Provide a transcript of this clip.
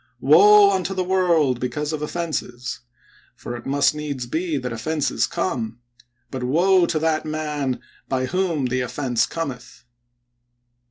"Woe unto the world because of offenses! for it must needs be that offenses come; but woe to that man by whom THE SECOND INAUGURAL 145 the offense cometh."